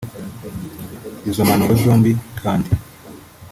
Izo mpanuro zombi kandi